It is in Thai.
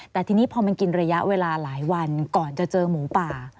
แต่ทีนี้พอมันกินระยะเวลาหลายวันก่อนจะเจอหมูป่า